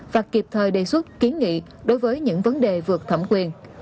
và kịp thời đề xuất kiến nghị đối với những vấn đề vượt thẩm quyền